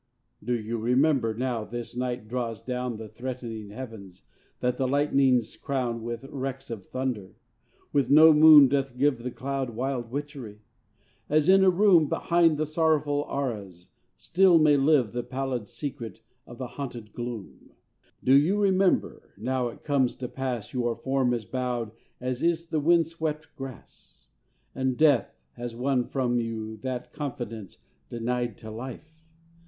Do you remember, now this night draws down The threatening heavens, that the lightnings crown With wrecks of thunder? when no moon doth give The clouds wild witchery? as in a room, Behind the sorrowful arras, still may live The pallid secret of the haunted gloom. Do you remember, now this night draws down? Do you remember, now it comes to pass Your form is bowed as is the wind swept grass? And death hath won from you that confidence Denied to life?